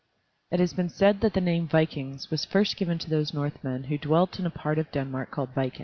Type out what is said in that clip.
It has been said that the name "vikings" was first given to those Northmen who dwelt in a part of Denmark called Viken.